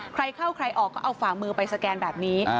ใครเข้าใครออกก็เอาฝ่ามือไปสแกนแบบนี้